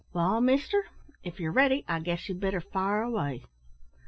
"Wall, mister, if you're ready, I guess ye'd better fire away."